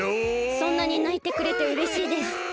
そんなにないてくれてうれしいです。